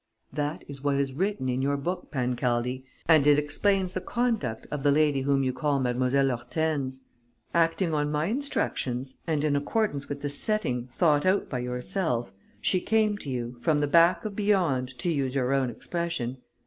That is what is written in your book, Pancaldi, and it explains the conduct of the lady whom you call Mlle. Hortense. Acting on my instructions and in accordance with the setting thought out by yourself, she came to you, from the back of beyond, to use your own expression.